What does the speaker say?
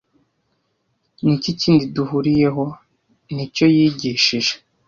Ni iki kindi duhuriyeho nicyo yigishije,